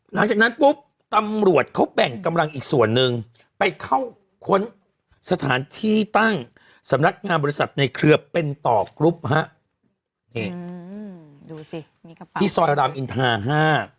หลังจากนั้นปุ๊บตำรวจเขาแบ่งกำลังอีกส่วนหนึ่งไปเข้าค้นสถานที่ตั้งสำนักงานบริษัทในเครือเป็นต่อกรุ๊ปฮะนี่อืมดูสิมีกำลังที่ซอยรามอินทาห้า